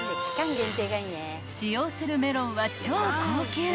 ［使用するメロンは超高級］